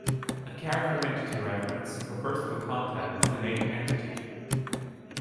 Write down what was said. A character entity reference refers to the content of a named entity.